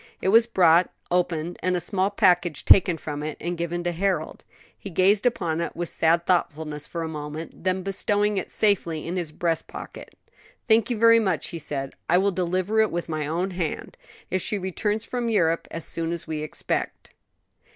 It was brought, opened, and a small package taken from it and given to Harold. He gazed upon it with sad thoughtfulness for a moment; then, bestowing it safely in his breast pocket, "Thank you very much," he said, "I will deliver it with my own hand, if she returns from Europe as soon as we expect."